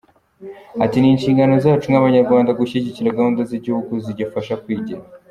Ati "Ni inshingano zacu nk’Abanyarwanda gushyigikira gahunda z’igihugu zigifasha kwigira.